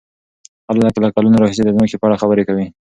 خلک له کلونو راهيسې د ځمکې په اړه خبرې کوي.